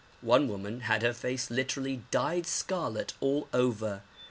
One woman had her face literally dyed scarlet all over.